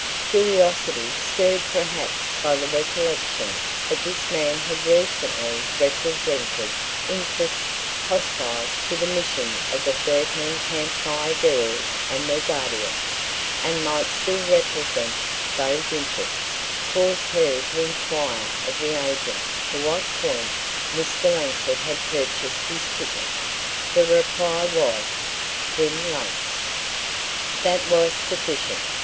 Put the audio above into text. Curiosity, stirred perhaps by the recollection that this man had recently represented interests hostile to the mission of the Thirteen Camp Fire Girls and their Guardian, and might still represent those interests, caused her to inquire of the agent for what point Mr. Langford had purchased his ticket. The reply was "Twin Lakes." That was sufficient.